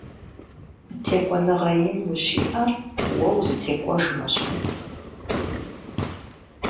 ТекӀуэныгъэ ин ущиӀэр уэ узытекӀуэжмэщ.